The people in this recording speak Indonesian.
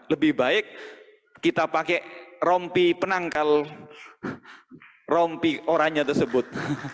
lebih baik kita pakai rompi penangkal rompi oranye tersebut